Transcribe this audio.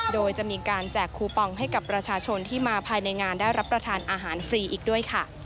โดยจะมีการแจกคูปองให้กับประชาชนที่มาภายในงานได้รับประทานอาหารฟรีอีกด้วยค่ะ